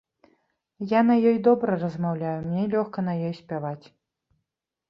Я на ёй добра размаўляю, мне лёгка на ёй спяваць.